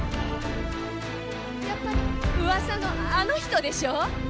やっぱり噂のあの人でしょ？